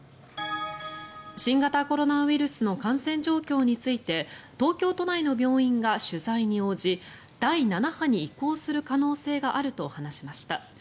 新型コロナウイルスの感染状況について東京都内の病院が取材に応じ第７波に移行する可能性があると話しました。